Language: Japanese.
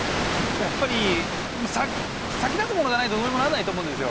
やっぱり先立つものがないとどうにもなんないと思うんですよ